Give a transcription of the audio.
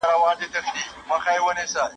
اقتصاد پوهنځۍ په پټه نه بدلیږي.